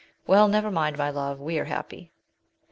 Well, never mind, my love, we are happy.